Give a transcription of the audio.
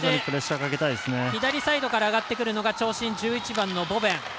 左サイドから上がってくるのが長身１１番のボベン。